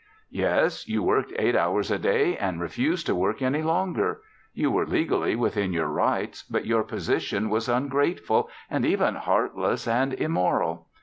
"Yes, you worked eight hours a day and refused to work any longer. You were legally within your rights, but your position was ungrateful and even heartless and immoral.